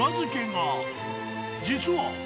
［実は］